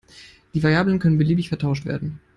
Die Variablen können beliebig vertauscht werden.